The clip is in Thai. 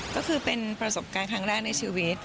ก็คือเป็นประสบการณ์ครั้งแรกในชีวิต